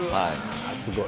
すごい。